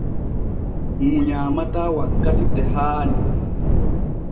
Ŋu nyaamataa wakkati de haani.